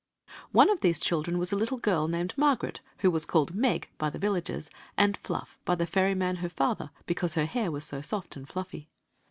One of these children was a little girl named Mar garet, who was called "Meg" by the villagers and " Fluff " by die ferryman her father, because htr hair was so sdt and fluffy.